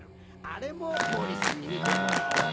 あれも毛利さんに見てもらおう。